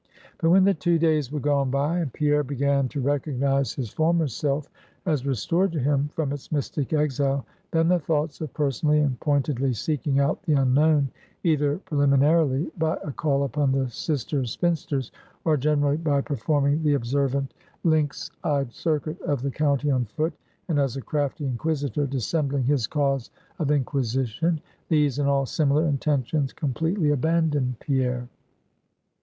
But when the two days were gone by, and Pierre began to recognize his former self as restored to him from its mystic exile, then the thoughts of personally and pointedly seeking out the unknown, either preliminarily by a call upon the sister spinsters, or generally by performing the observant lynx eyed circuit of the country on foot, and as a crafty inquisitor, dissembling his cause of inquisition; these and all similar intentions completely abandoned Pierre.